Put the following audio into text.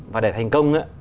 và để thành công